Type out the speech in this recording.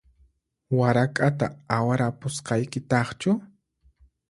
Warak'ata awarapusqaykitaqchu?